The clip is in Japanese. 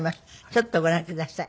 ちょっとご覧ください。